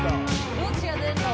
どっちが出んの？